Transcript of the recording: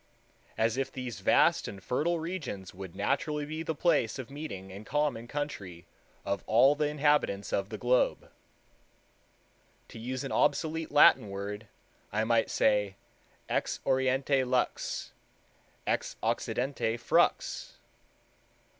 As if these vast and fertile regions would naturally be the place of meeting and common country of all the inhabitants of the globe." To use an obsolete Latin word, I might say, Ex oriente lux; ex occidente FRUX.